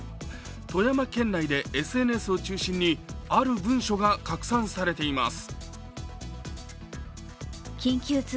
富山県内でＳＮＳを中心にある文書が拡散されています。